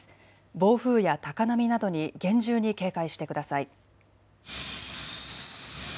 暴風や高波などに厳重に警戒してください。